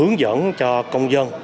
hướng dẫn cho công dân